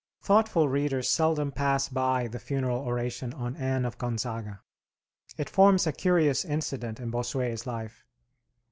Thoughtful readers seldom pass by the funeral oration on Anne of Gonzaga. It forms a curious incident in Bossuet's life.